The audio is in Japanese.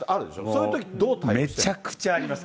そういうとめちゃくちゃあります。